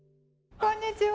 こんにちは。